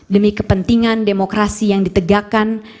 demi kepentingan demokrasi yang ditegakkan